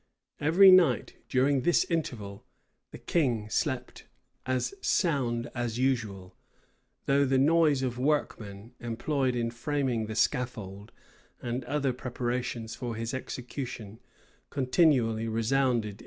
Every night during this interval the king slept as sound as usual; though the noise of workmen employed in framing the scaffold, and other preparations for his execution, continually resounded in his ears.